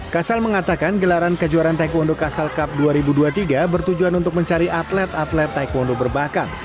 kasal mengatakan gelaran kejuaraan taekwondo kasal cup dua ribu dua puluh tiga bertujuan untuk mencari atlet atlet taekwondo berbakat